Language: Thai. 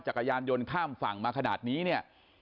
จักรยานยนต์ข้ามฝั่งมาขนาดนี้เนี่ย